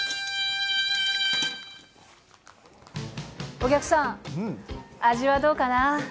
お客さん、味はどうかな？